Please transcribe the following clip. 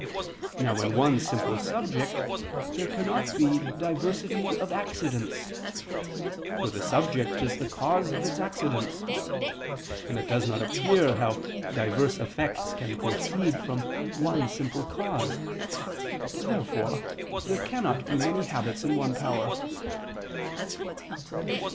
Now in one simple subject there cannot be diversity of accidents; for the subject is the cause of its accidents; and it does not appear how diverse effects can proceed from one simple cause. Therefore there cannot be many habits in one power.